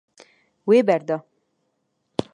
Wê berda.